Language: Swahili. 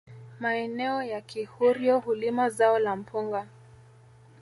Maeneo ya kihurio hulima zao la mpunga